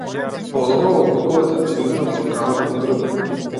Подобро отколку да те ѕвизнат со камен по грб.